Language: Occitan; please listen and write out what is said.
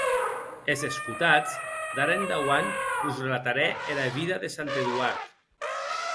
E s’escotatz, d’ara endauant vos relatarè era vida de Sant Eduard.